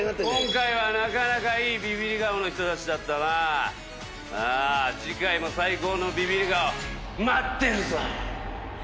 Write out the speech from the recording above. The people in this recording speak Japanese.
今回はなかなかいいビビり顔の人達だったな次回も最高のビビり顔待ってるぞ